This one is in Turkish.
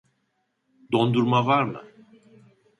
Dondurma var mı?